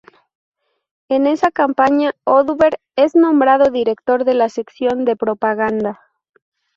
En esa campaña Oduber es nombrado Director de la Sección de Propaganda.